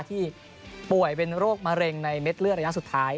ที่ป่วยเป็นโรคมะเร็งในเม็ดเลือดระยะสุดท้าย